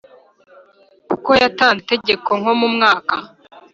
kuko yatanze itegeko nko mumwaka